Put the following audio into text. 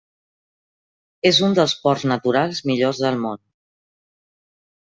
És un dels ports naturals millors del món.